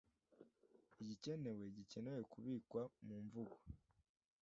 Igikenewe gikenewe kubikwa mu mvugo